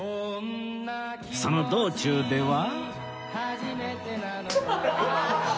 その道中では